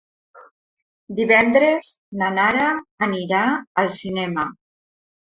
Divendres na Nara anirà al cinema.